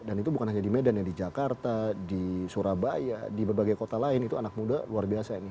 dan itu bukan hanya di medan ya di jakarta di surabaya di berbagai kota lain itu anak muda luar biasa ini